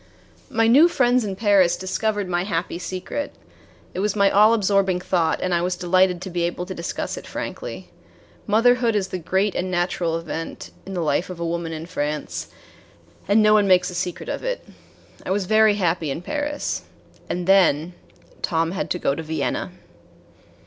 My new friends in Paris discovered my happy secret. It was my all absorbing thought, and I was delighted to be able to discuss it frankly. Motherhood is the great and natural event in the life of a woman in France, and no one makes a secret of it. I was very happy in Paris. And then Tom had to go to Vienna.